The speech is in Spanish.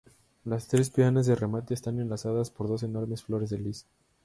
Las tres peanas de remate están enlazadas por dos enormes flores de lis.